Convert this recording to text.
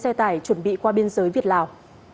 các bộ xe tải chuẩn bị qua biên giới việt lào